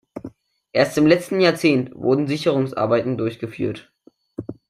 Erst im letzten Jahrzehnt wurden Sicherungsarbeiten durchgeführt.